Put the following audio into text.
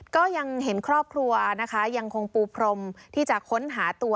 ก็ยังเห็นครอบครัวคงปูปรมที่จะค้นหาตัว